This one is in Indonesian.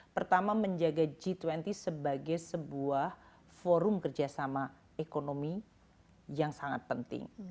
pertama menjaga g dua puluh sebagai sebuah forum kerjasama ekonomi yang sangat penting